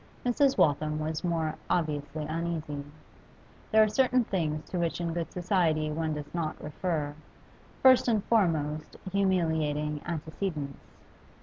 Mrs. Waltham was more obviously uneasy. There are certain things to which in good society one does not refer, first and foremost humiliating antecedents.